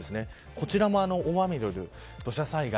こちらも大雨による土砂災害